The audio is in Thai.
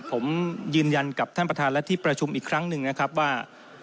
ผมยืนยันกับท่านประธานและที่ประชุมอีกครั้งหนึ่งนะครับว่า